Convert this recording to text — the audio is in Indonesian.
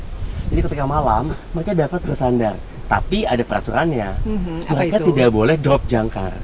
jadi ketika malam mereka dapat bersandar tapi ada peraturannya mereka tidak boleh drop jangkar